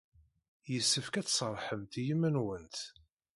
Yessefk ad tserrḥemt i yiman-nwent.